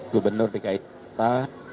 gubernur dki jakarta